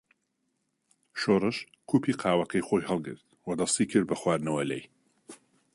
شۆڕش کووپی قاوەکەی خۆی هەڵگرت و دەستی کرد بە خواردنەوە لێی.